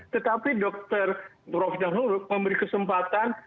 tetapi dr prof rina muluk memberi kesempatan